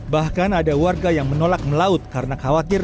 bahkan ada warga yang menolak melaut karena khawatir